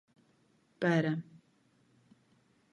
Para